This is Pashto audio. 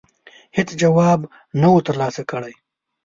هېڅ جواب نه وو ترلاسه کړی.